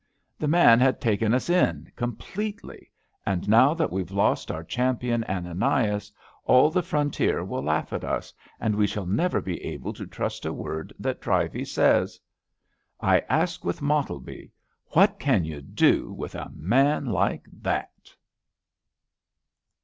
The man had taken us in completely, and now that we've lost our champion Ananias, all the frontier will laugh at us, and we shall never be able to trust a word that Trivey says. I ask with Mottleby: What can you do with a man like that!